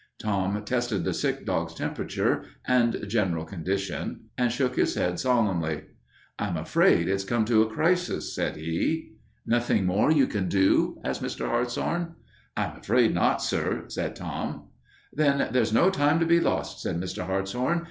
Tom tested the sick dog's temperature and general condition and shook his head solemnly. "I'm afraid it's come to a crisis," said he. "Nothing more you can do?" asked Mr. Hartshorn. "I'm afraid not, sir," said Tom. "Then there's no time to be lost," said Mr. Hartshorn.